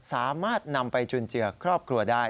สามารถนำไปจุนเจือครอบครัวได้